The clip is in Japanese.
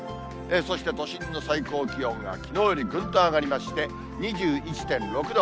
そして都心の最高気温が、きのうよりぐんと上がりまして、２１．６度。